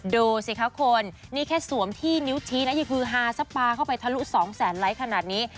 ดูสิคะคุณนี่แค่สวมที่นิ้วชี้นะยังฮือฮาสปาเข้าไปทะลุ๒แสนไลค์ขนาดนี้